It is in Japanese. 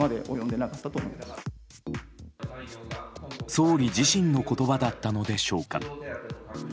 総理自身の言葉だったのでしょうか。